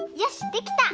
できた！